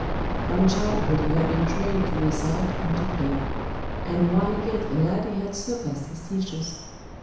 From childhood he had been trained to recite and to play; and while yet a lad he had surpassed his teachers.